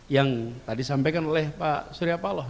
yang tadi sampaikan oleh pak suryapaloh